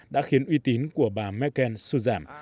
đã khiến uy tín của bà merkel sưu giảm